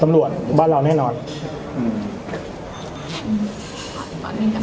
ตำรวจบ้านเราแน่นอนอืม